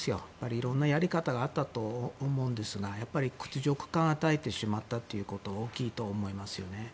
いろんなやり方があったと思うんですが屈辱を与えてしまったことは大きいと思いますよね。